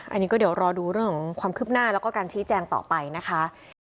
อันนี้ก็เดี๋ยวรอดูเรื่องของความคืบหน้าแล้วก็การชี้แจงต่อไปนะคะ